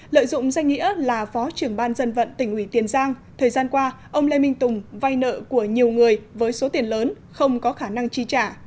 lợi dụng danh nghĩa là phó trưởng ban dân vận tỉnh ủy tiền giang thời gian qua ông lê minh tùng vay nợ của nhiều người với số tiền lớn không có khả năng chi trả